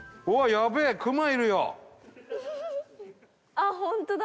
あっホントだ！